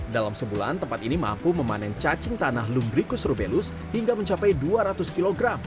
dalam sebulan tempat ini mampu memanen cacing tanah lumbricus rubellus hingga mencapai dua ratus kg